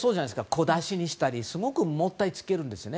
小出しにしたりしてすごくもったいつけるんですね。